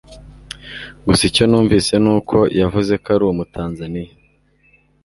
gusa icyo numvise nuko yavuze ko ari Umutanzaniya